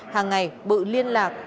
hàng ngày bự liên lạc